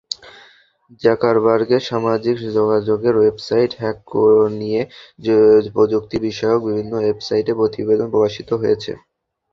জাকারবার্গের সামাজিক যোগাযোগের website hack নিয়ে প্রযুক্তি-বিষয়ক বিভিন্ন ওয়েবসাইটে প্রতিবেদন প্রকাশিত হয়েছে।